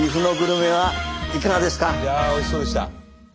いやあおいしそうでした！